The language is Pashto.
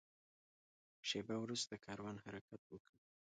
شېبه وروسته کاروان حرکت وکړ.